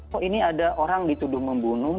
kok ini ada orang dituduh membunuh